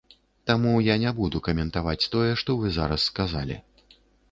Таму я не буду каментаваць тое, што вы зараз сказалі.